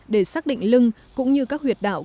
để xác định lưng cũng như các huyệt đạo